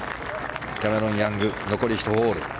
キャメロン・ヤング残り１ホール。